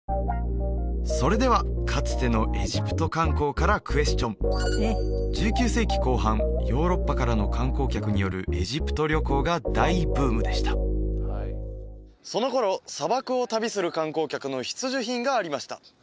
それではかつてのエジプト観光からクエスチョン１９世紀後半ヨーロッパからの観光客によるエジプト旅行が大ブームでしたその頃砂漠を旅する観光客の必需品がありました